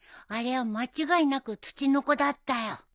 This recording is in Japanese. あれは間違いなくツチノコだったよ。